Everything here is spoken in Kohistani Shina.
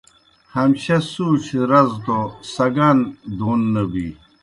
ہمشہ سُوݩڇھیْ رزہ توْ سگان دون نہ بی